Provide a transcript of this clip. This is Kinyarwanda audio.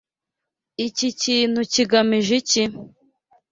Iki kintu kigamije iki?